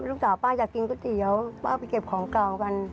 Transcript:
ลูกจ๋าป้าอยากกินก๋อเตี๋ยวป้าไปเก็บของกล่องกัน